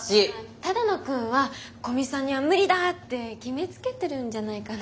只野くんは古見さんには無理だって決めつけてるんじゃないかな。